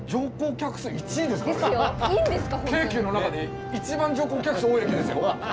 京急の中で一番乗降客数多い駅ですよ。